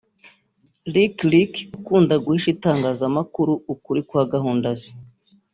Lick Lick ukunda guhisha itangazamakuru ukuri kwa gahunda ze